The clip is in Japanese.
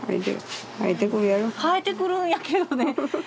生えてくるんやけどね。